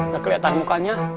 gak keliatan mukanya